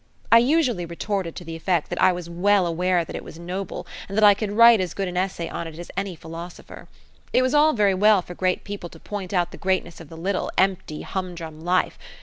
I usually retorted to the effect that I was well aware that it was noble, and that I could write as good an essay on it as any philosopher. It was all very well for great people to point out the greatness of the little, empty, humdrum life.